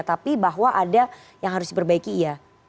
tapi bahwa ada yang harus diperbaiki iya